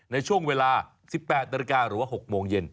ในช่วงเวลา๑๘นาฬิกาหรือว่า๖โมงเย็น